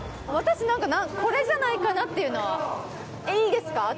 私何かこれじゃないかなっていうのはいいですか？